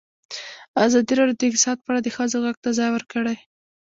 ازادي راډیو د اقتصاد په اړه د ښځو غږ ته ځای ورکړی.